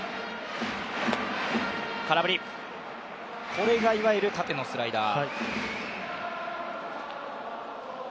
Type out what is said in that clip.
これがいわゆる縦のスライダー。